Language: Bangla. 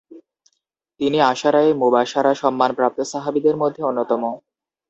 তিনি আশারায়ে মুবাশশারা সম্মানপ্রাপ্ত সাহাবীদের মধ্য অন্যতম।